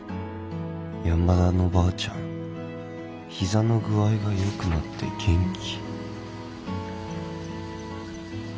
山田のばあちゃんヒザの具合が良くなって元気」。